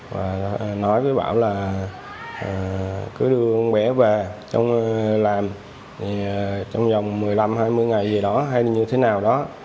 và nói với bảo là cứ đưa con bé về trong làm trong vòng một mươi năm hai mươi ngày gì đó hay như thế nào đó